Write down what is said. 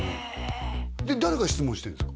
誰が質問してるんですか？